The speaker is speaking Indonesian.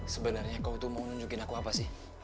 sebenernya kau tuh mau nunjukin aku apa sih